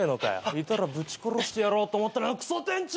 いたらぶち殺してやろうと思ったのにあのクソ店長！